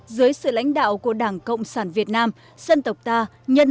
dưới sự lãnh đạo của đảng cộng sản việt nam dân tộc ta nhân